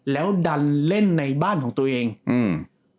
แล้วดันเล่นในบ้านของตัวเองอืม